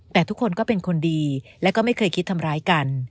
แต่ทุกคนก็เป็นคนดีและก็ไม่เคยคิดทำร้ายกัน